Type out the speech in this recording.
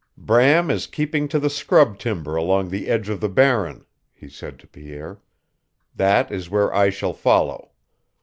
"Bram is keeping to the scrub timber along the edge of the Barren," he said to Pierre. "That is where I shall follow.